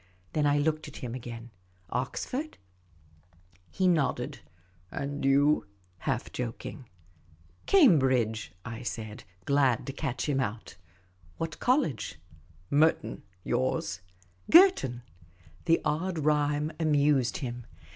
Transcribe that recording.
Then I looked at him again. "Oxford?" He nodded. " And you ?" half joking. " Cambridge," I said, glad to catch him out. " What college ?"" Merton. Yours?" " Girton." The odd rhyme amused him.